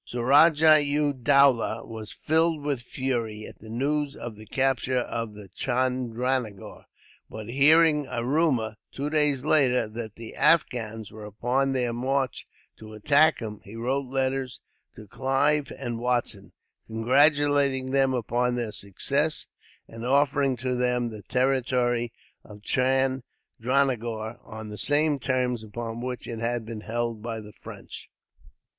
Suraja u Dowlah was filled with fury, at the news of the capture of Chandranagore; but hearing a rumour, two days later, that the Afghans were upon their march to attack him, he wrote letters to Clive and Watson, congratulating them upon their success, and offering to them the territory of Chandranagore, on the same terms upon which it had been held by the French.